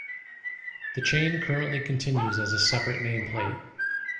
The chain currently continues as a separate nameplate.